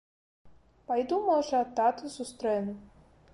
Пайду, можа, тату сустрэну.